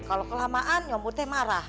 kalau kelamaan nyamutnya marah